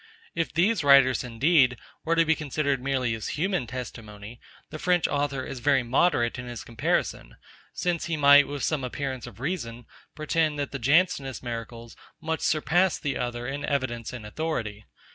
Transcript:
If these writers, indeed, were to be considered merely as human testimony, the French author is very moderate in his comparison; since he might, with some appearance of reason, pretend, that the Jansenist miracles much surpass the other in evidence and authority.